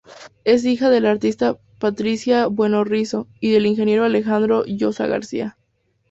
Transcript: Es hija de la artista Patricia Bueno Risso y del ingeniero Alejandro Llosa García.